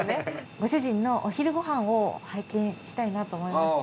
ご主人のお昼ご飯を拝見したいなと思いまして。